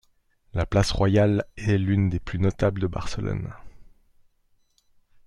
La place Royale est l'une des plus notables de Barcelone.